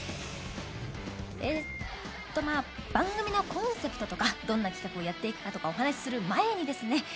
えっとまあ番組のコンセプトとかどんな企画をやっていくかとかお話しする前にですね